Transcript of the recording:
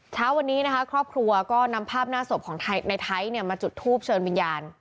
เช้าวันนี้นะคะครอบครัวก็นำภาพหน้าศพของในไทยมาจุดทูปเชิญวิญญาณ